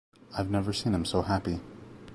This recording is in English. I’ve never seen him so happy.